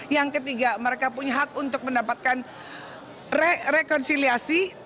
yang ketiga mereka punya hak untuk mendapatkan rekonsiliasi